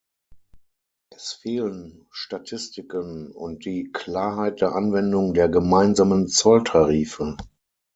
Es fehlen Statistiken und die Klarheit der Anwendung der gemeinsamen Zolltarife.